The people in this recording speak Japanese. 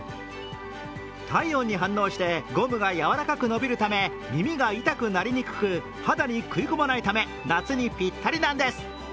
体温に反応してゴムが柔らかく伸びるため耳が痛くなりにくく肌に食い込まないため夏にぴったりなんです。